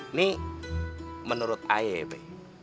ini menurut ayah ya be